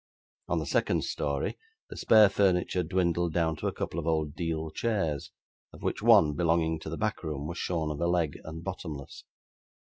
On the second story, the spare furniture dwindled down to a couple of old deal chairs, of which one, belonging to the back room, was shorn of a leg, and bottomless.